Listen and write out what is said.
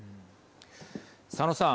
佐野さん。